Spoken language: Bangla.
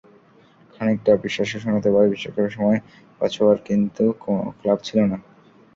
খানিকটা অবিশ্বাস্য শোনাতে পারে, বিশ্বকাপের সময় ওচোয়ার কিন্তু কোনো ক্লাব ছিল না।